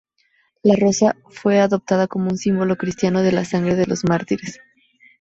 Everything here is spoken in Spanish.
La rosa roja fue adoptada como símbolo cristiano de la sangre de los mártires.